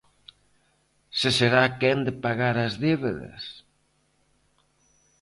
Se será quen de pagar as débedas?